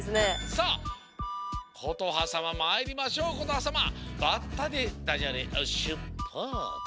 さあことはさままいりましょうことはさま「バッタ」でダジャレしゅっぱつ！